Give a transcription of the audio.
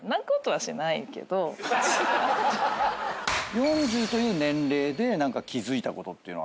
４０という年齢で何か気付いたことっていうのは？